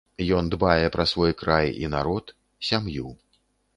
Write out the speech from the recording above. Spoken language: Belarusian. Ён дбае пра свой край і народ, сям'ю.